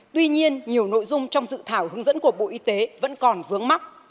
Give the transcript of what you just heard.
tuy nhiên nhiều nội dung trong dự thảo hướng dẫn của bộ y tế vẫn còn vướng mắt